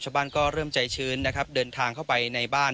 บ้านก็เริ่มใจชื้นนะครับเดินทางเข้าไปในบ้าน